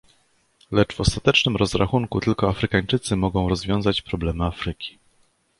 Lecz w ostatecznym rozrachunku tylko Afrykańczycy mogą rozwiązać problemy Afryki